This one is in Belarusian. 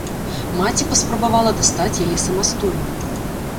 Маці паспрабавала дастаць яе самастойна.